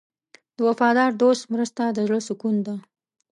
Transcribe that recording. د وفادار دوست مرسته د زړه سکون ده.